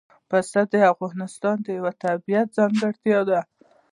پسه د افغانستان یوه طبیعي ځانګړتیا ده.